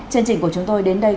chương trình của chúng tôi đến đây